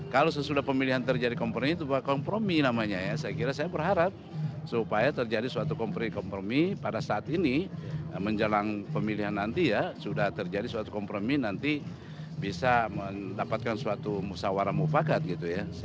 kalau sesudah pemilihan terjadi kompromi itu bahwa kompromi namanya ya saya kira saya berharap supaya terjadi suatu kompromi kompromi pada saat ini menjelang pemilihan nanti ya sudah terjadi suatu kompromi nanti bisa mendapatkan suatu musawarah mufakat gitu ya